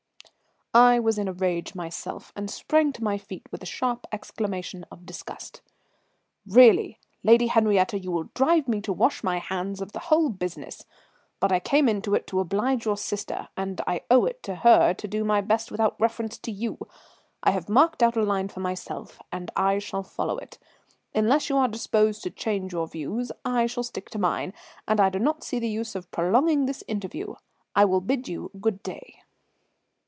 I was in a rage myself, and sprang to my feet with a sharp exclamation of disgust. "Really, Lady Henriette, you will drive me to wash my hands of the whole business. But I came into it to oblige your sister, and I owe it to her to do my best without reference to you. I have marked out a line for myself, and I shall follow it. Unless you are disposed to change your views, I shall stick to mine; and I do not see the use of prolonging this interview. I will bid you good day."